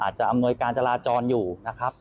จะอำนวยการจราจรอยู่นะครับ